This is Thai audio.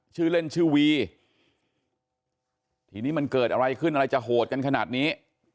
ชื่อเล่นชื่อวีทีนี้มันเกิดอะไรขึ้นอะไรจะโหดกันขนาดนี้